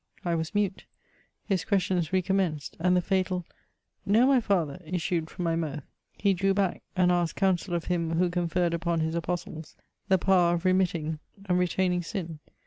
I was mute. His questions re commenced, and the fatal " No, my father," issued from my mouth. He drew back, and asked counsel of Him, who conferred upon His Apostles the power of remitting and retaining sin.